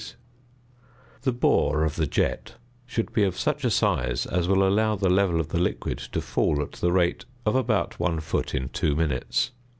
The bore of the jet should be of such a size as will allow the level of the liquid to fall at the rate of about one foot in two minutes.